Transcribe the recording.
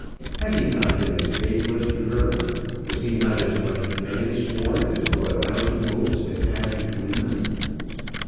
Had he not been as faithless to her, was he not as much man sworn, as though a thousand oaths had passed between them?